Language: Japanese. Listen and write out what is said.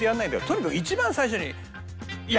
とにかく一番最初にやるの。